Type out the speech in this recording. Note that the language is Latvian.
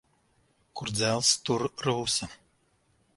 Kur dzelzs, tur rūsa.